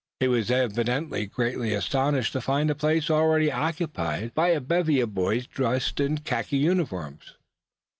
He was evidently greatly astonished to find the place already occupied by a bevy of boys dressed in khaki uniforms.